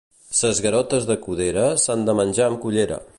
Ses garotes de Codera, s'han de menjar amb cullera.